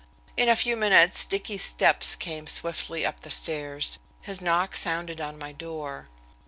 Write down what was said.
In a few minutes Dicky's step came swiftly up the stairs; his knock sounded on my door.